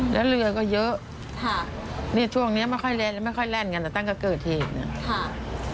และเรือก็เยอะช่วงนี้ไม่ค่อยเล่นกันแต่ตั้งแต่เกิดเหตุ